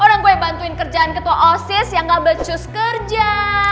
orang gue yang bantuin kerjaan ketua osis yang gak becus kerja